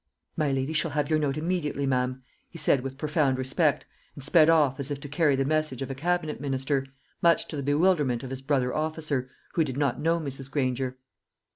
"My lady shall have your note immediately, ma'am," he said with profound respect, and sped off as if to carry the message of a cabinet minister, much to the bewilderment of his brother officer, who did not know Mrs. Granger.